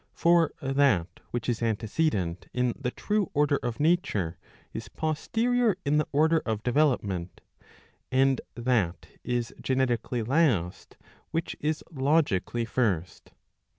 For that which is antecedent in the true order of nature is posterior in the order of development, and that is genetically last which is logically first.